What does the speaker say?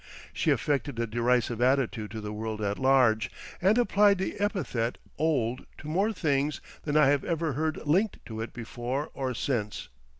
She affected a derisive attitude to the world at large and applied the epithet "old" to more things than I have ever heard linked to it before or since.